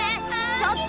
ちょっと！